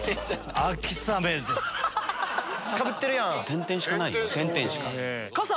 点々しかないよ。